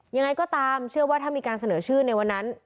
ยังไงก็ตามเชื่อว่าถ้ามีการเสนอชื่อในวันนั้น